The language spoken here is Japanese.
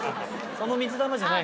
その水玉じゃない。